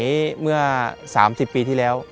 เมื่อ๓๐ปีที่แล้ว